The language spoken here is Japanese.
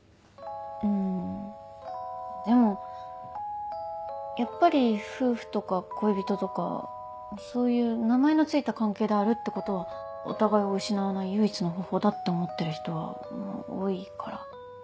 うんでもやっぱり夫婦とか恋人とかそういう名前の付いた関係であるってことはお互いを失わない唯一の方法だって思ってる人は多いから。